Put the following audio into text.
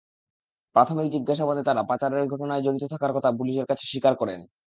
প্রাথমিক জিজ্ঞাসাবাদে তাঁরা পাচারের ঘটনায় জড়িত থাকার কথার পুলিশের কাছে স্বীকার করেন।